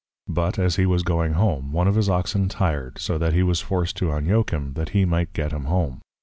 But, as he was going home, one of his Oxen tired, so that he was forced to Unyoke him, that he might get him home.